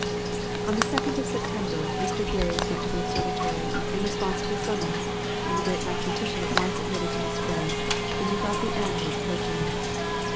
On the 2nd of September Mr. Graves went to the observatory, in response to a summons, and the great mathematician at once admitted to his friend that he felt the end was approaching.